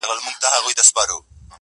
• مړاوي مړاوي سور ګلاب وي زما په لاس کي,